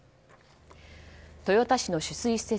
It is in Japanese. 豊田市の取水施設